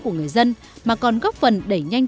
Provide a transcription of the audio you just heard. của người dân mà còn góp phần đẩy nhanh